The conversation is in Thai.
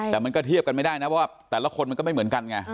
แต่มันก็เทียบกันไม่ได้นะว่าแต่ละคนมันก็ไม่เหมือนกันไง